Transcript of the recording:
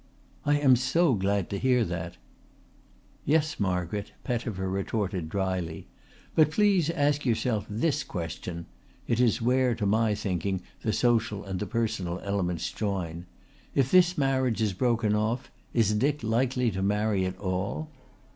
"I am so glad to hear that." "Yes, Margaret," Pettifer retorted drily. "But please ask yourself this question: (it is where, to my thinking, the social and the personal elements join) if this marriage is broken off, is Dick likely to marry at all?"